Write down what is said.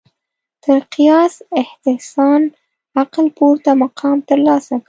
تر قیاس استحسان عقل پورته مقام ترلاسه کړ